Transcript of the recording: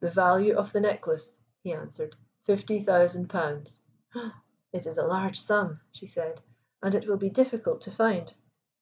"The value of the necklace," he answered. "Fifty thousand pounds." "It is a large sum," she said, "and it will be difficult to find."